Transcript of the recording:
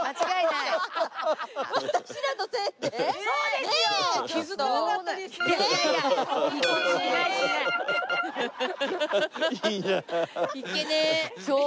いっけねえ。